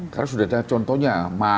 karena sudah ada contohnya